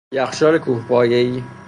یخچال کوهپایه ای